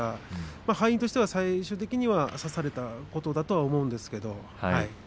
敗因としては最終的には差されたということだと思います。